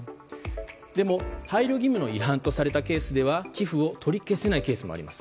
でも、配慮義務の違反とされたケースでは寄付を取り消せないケースもあります。